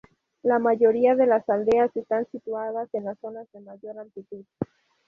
La mayoría de las aldeas están situadas en las zonas de mayor altitud.